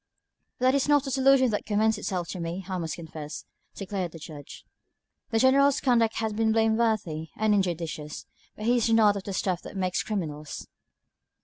"That is not a solution that commends itself to me, I must confess," declared the Judge. "The General's conduct has been blameworthy and injudicious, but he is not of the stuff that makes criminals."